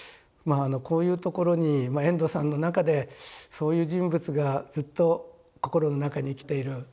まあこういうところにまあ遠藤さんの中でそういう人物がずっと心の中に生きている。